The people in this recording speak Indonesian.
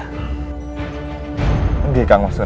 bagaimana keadaan istana demakang mas sunan